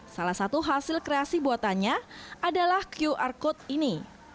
salah satu hasil kreasi buatannya adalah qr code ini